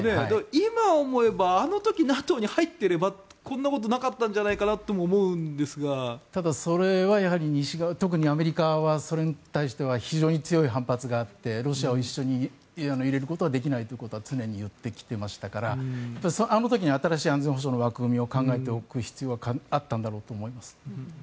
今思えば、あの時ＮＡＴＯに入っていればこんなことはなかったんじゃないかなとそれは西側特にアメリカはそれに対して非常に強い反発があってロシアを一緒に入れることはできないということは常に言ってきてましたからあの時に新しい安全保障の枠組みを考えておく必要はあったんだろうと思います。